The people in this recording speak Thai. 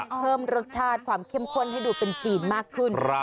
เพิ่มรสชาติความเข้มข้นให้ดูเป็นจีนมากขึ้น